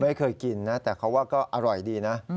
ไม่เคยกินนะแต่เขาว่าก็อร่อยดีนะ